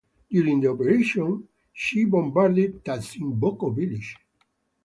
During the operation she bombarded Tasimboko village.